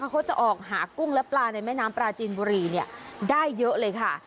เขาจะออกหากุ้งและปลาในแม่น้ำปลาจีนบุรีได้เยอะเลยค่ะ